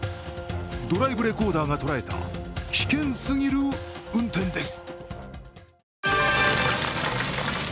ドライブレコーダーが捉えた危険すぎる運転です。